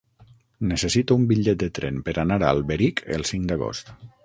Necessito un bitllet de tren per anar a Alberic el cinc d'agost.